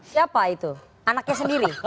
siapa itu anaknya sendiri